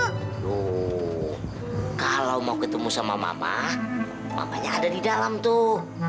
aduh kalau mau ketemu sama mamanya ada di dalam tuh